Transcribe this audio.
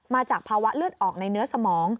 มาจากภาวะเลือดออกในเนื้อสมอง